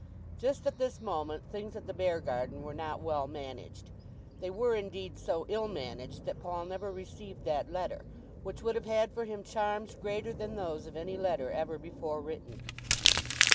Just at this moment things at the Beargarden were not well managed. They were indeed so ill managed that Paul never received that letter, which would have had for him charms greater than those of any letter ever before written.